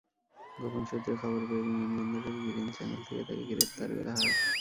গোপন সূত্রে খবর পেয়ে বিমানবন্দরের গ্রিন চ্যানেল থেকে তাঁকে গ্রেপ্তার করা হয়।